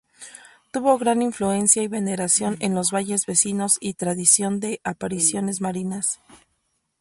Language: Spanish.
Tuvo gran influencia y veneración en los valles vecinos y tradición de apariciones marianas.